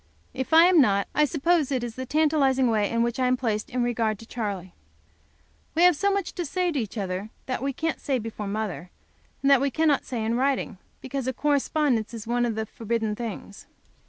If I am not, I suppose it is the tantalizing way in which I am placed in regard to Charley. We have so much to say to each other that we can't say before mother, and that we cannot say in writing, because a correspondence is one of the forbidden things.